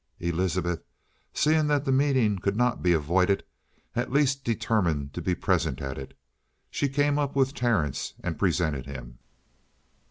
Elizabeth, seeing that the meeting could not be avoided, at least determined to be present at it. She came up with Terence and presented him.